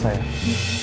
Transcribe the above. saya sudah tahu